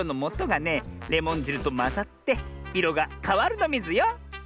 レモンじるとまざっていろがかわるのミズよ！